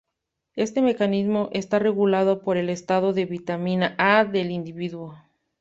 Este mecanismo está regulado por el estado de vitamina A del individuo.